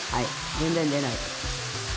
全然出ないです。